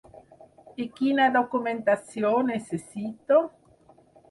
I quina documentació necessito?